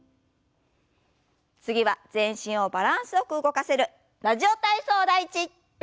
次は全身をバランスよく動かせる「ラジオ体操第１」。